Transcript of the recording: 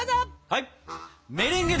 はい。